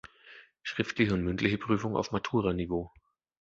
Schriftliche und mündliche Prüfung auf Matura-Niveau.